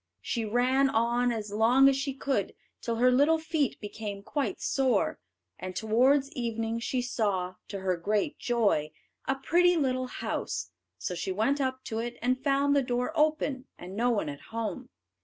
She ran on as long as she could till her little feet became quite sore; and towards evening she saw, to her great joy, a pretty little house. So she went up to it, and found the door open and no one at home.